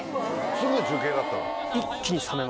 すぐ中継だったの？